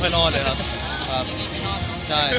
ดูแลตัวเองไม่ค่อยนอนเลยครับ